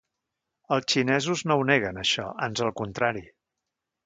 Els xinesos no ho neguen, això, ans al contrari.